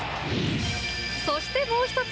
そして、もう１つ。